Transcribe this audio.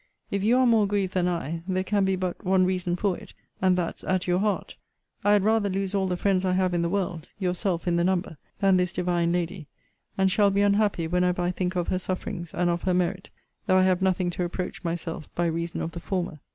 If you are more grieved than I, there can be but one reason for it; and that's at your heart! I had rather lose all the friends I have in the world, (yourself in the number,) than this divine lady; and shall be unhappy whenever I think of her sufferings, and of her merit; though I have nothing to reproach myself by reason of the former.